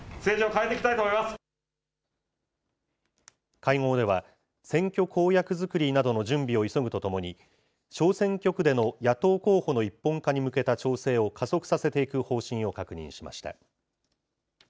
会合では、選挙公約作りなどの準備を急ぐとともに、小選挙区での野党候補の一本化に向けた調整を加速させていく方針